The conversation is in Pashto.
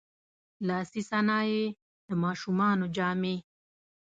لاسي صنایع، د ماشومانو جامې.